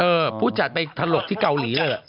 เออผู้จัดไปถลกที่เกาหลีแล้ว